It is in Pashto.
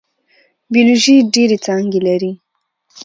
بیولوژي ډیرې څانګې لري